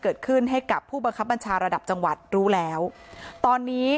ให้กับผู้บังคับบัญชาระดับจังหวัดรู้แล้วตอนนี้